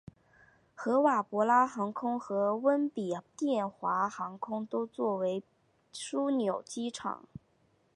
合瓦博拉航空和温比殿华航空都作比为枢纽机场。